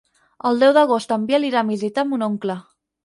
El deu d'agost en Biel irà a visitar mon oncle.